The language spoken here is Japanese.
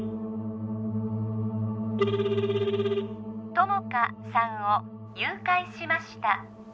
友果さんを誘拐しました